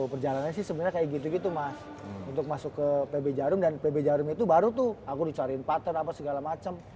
perjalanannya sih sebenarnya kayak gitu gitu mas untuk masuk ke pb jarum dan pb jarum itu baru tuh aku dicariin partner apa segala macem